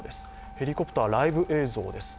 ヘリコプター、ライブ映像です。